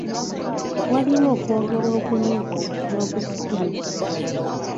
Waliwo okwogera okunyuvu n'okusikiriza.